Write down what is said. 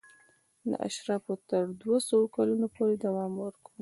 دا اشرافو تر دوه سوه کلونو پورې دوام ورکاوه.